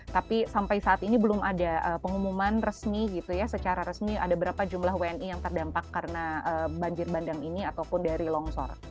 tapi sampai saat ini belum ada pengumuman resmi gitu ya secara resmi ada berapa jumlah wni yang terdampak karena banjir bandang ini ataupun dari longsor